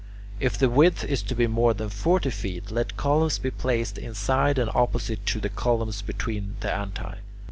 If the width is to be more than forty feet, let columns be placed inside and opposite to the columns between the antae.